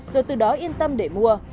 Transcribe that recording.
rồi từ đó yên tâm để mua